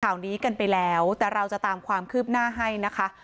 ข่าวนี้กันไปแล้วแต่เราจะตามความคืบหน้าให้นะคะ